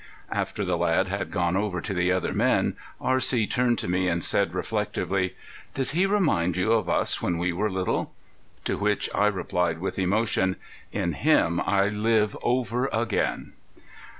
After the lad had gone over to the other men R.C. turned to me and said reflectively: "Does he remind you of us when we were little?" To which I replied with emotion: "In him I live over again!"